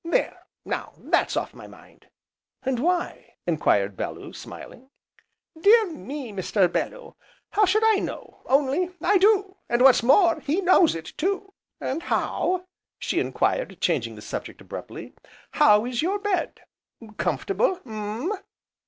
There, now that's off my mind!" "And why?" enquired Bellew, smiling. "Dear me, Mr. Bellew I how should I know, only I do, and what's more he knows it too! And how," she enquired, changing the subject abruptly, "how is your bed, comfortable, mm?"